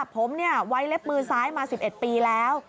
ผมไว้เล็บมือซ้ายมา๑๑ปีแล้ว